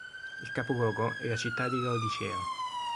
Il capoluogo è la città di Laodicea.